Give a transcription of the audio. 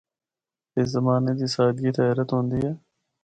اس زمانے دی سادگی تے حیرت ہوندی اے۔